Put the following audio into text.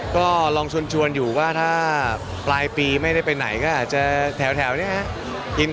ก็ลองชวนอยู่ว่าถ้าปลายปีไม่ได้ไปไหนก็อาจจะแถวนี้ครับ